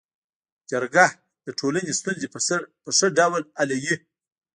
جرګه د ټولني ستونزي په ښه ډول حلوي.